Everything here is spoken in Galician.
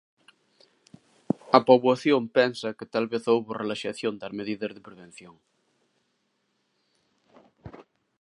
A poboación pensa que tal vez houbo relaxación das medidas de prevención.